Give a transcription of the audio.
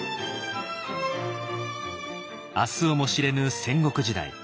明日をも知れぬ戦国時代。